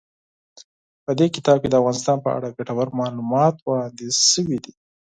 په دې کتاب کې د افغانستان په اړه ګټور معلومات وړاندې شوي دي.